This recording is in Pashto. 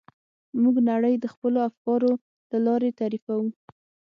موږ نړۍ د خپلو افکارو له لارې تعریفوو.